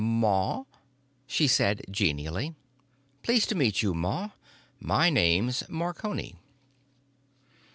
"Ma," she said genially. "Pleased to meet you, Ma. My name's Marconi."